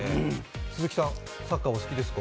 鈴木さん、サッカーお好きですか？